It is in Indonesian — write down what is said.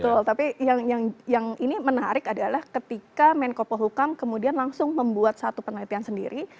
betul tapi yang ini menarik adalah ketika menko pohukam kemudian langsung membuat satu penelitian sendiri